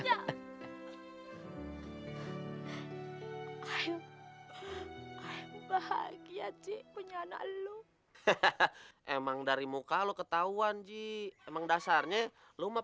ayo ayo bahagia cik punya anak lu hahaha emang dari muka lo ketahuan ji emang dasarnya lu mah